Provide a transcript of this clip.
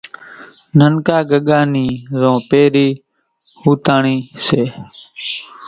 ننڪا ڳڳا نِي زو پھرين ھوتنڻي سي۔